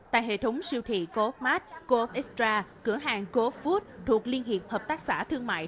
tại hệ thống siêu thị co op max co op extra cửa hàng co op food thuộc liên hiệp hợp tác xã thương mại